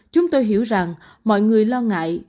chúng tôi hiểu rằng mọi người lo ngại